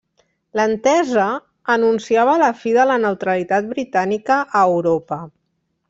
L'entesa anunciava la fi de la neutralitat britànica a Europa.